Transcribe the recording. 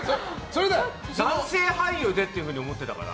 男性俳優でって思ってたから。